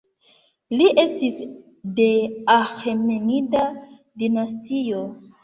Li estis de Aĥemenida dinastio.